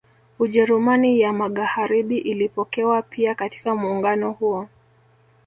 Ujerumani ya Magaharibi ilipokewa pia katika muungano huo